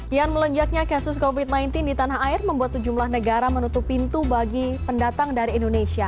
yang melenjaknya kasus covid sembilan belas di tanah air membuat sejumlah negara menutup pintu bagi pendatang dari indonesia